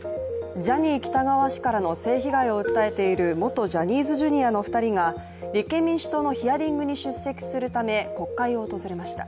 ジャニー喜多川氏からの性被害を訴えている元ジャニーズＪｒ．の２人が立憲民主党のヒアリングに出席するため国会を訪れました。